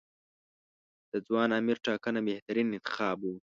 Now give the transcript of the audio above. د ځوان امیر ټاکنه بهترین انتخاب و.